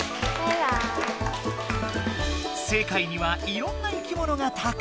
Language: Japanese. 世界にはいろんないきものがたくさん！